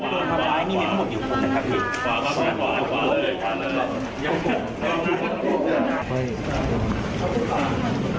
เดี๋ยวเขาทำร้ายเราด้วยนะ